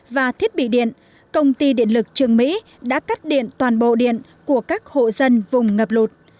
và thiết bị điện công ty điện lực trường mỹ đã cắt điện toàn bộ điện của các hộ dân vùng ngập lụt